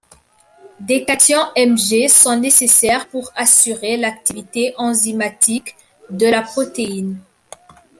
Des cations Mg sont nécessaires pour assurer l'activité enzymatique de la protéine.